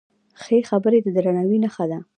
ښې خبرې د درناوي نښه ده.